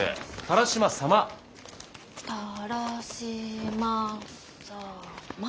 「たらしまさま」。